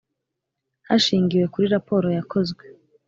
Hashingiwe kuri raporo yakozwe.